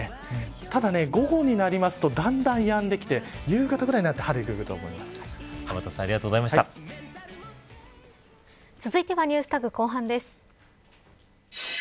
ただ、午後になりますとだんだんやんできて夕方ぐらいになると天達さん続いてはＮｅｗｓＴａｇ後半です。